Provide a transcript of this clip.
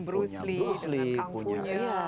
bruce lee dengan kung fu nya